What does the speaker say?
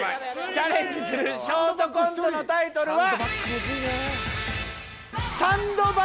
チャレンジするショートコントのタイトルは。